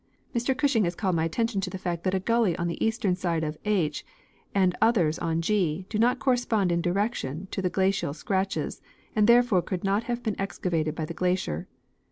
Mr Gushing has called my attention to the fact that a gully on the eastern side of H and others on G do not correspond in direction to the glacial scratches, and therefore could not have been excavated by the glacier.